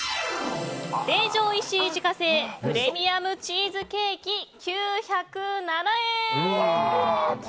成城石井自家製プレミアムチーズケーキ９０７円。